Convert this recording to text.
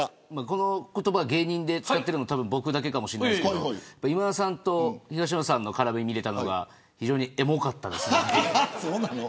この言葉、芸人で使ってるの僕だけかもしれないですけれど今田さんと東野さんの絡み見られて非常にエモかったです。